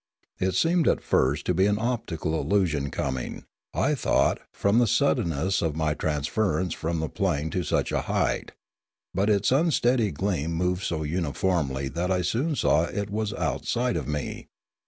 It seemed at first to be an optical illusion coming, I thought, from the suddenness of my transference from the plain to such a height, but its unsteady gleam moved so uniformly that I soon saw it was outside of me.